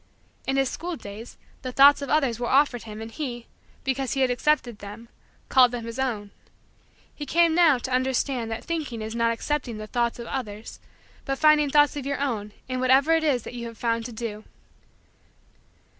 In his school days, the thoughts of others were offered him and he, because he had accepted them, called them his own. He came, now, to understand that thinking is not accepting the thoughts of others but finding thoughts of your own in whatever it is that you have found to do.